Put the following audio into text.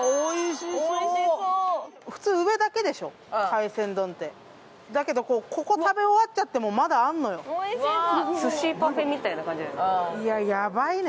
普通上だけでしょ海鮮丼ってだけどここ食べ終わっちゃってもまだあんのよいやヤバいね